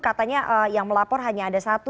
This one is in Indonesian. katanya yang melapor hanya ada satu